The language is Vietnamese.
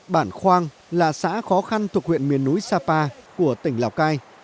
bản khoang là xã khó khăn thuộc huyện miền núi sapa của tỉnh lào cai